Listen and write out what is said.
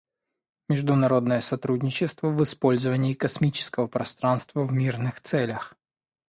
Международное сотрудничество в использовании космического пространства в мирных целях.